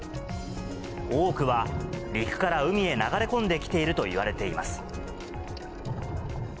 多くは陸から海へ流れ込んできているといわれています。